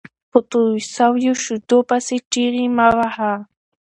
په توى سوو شېدو پيسي چیغي مه وهه!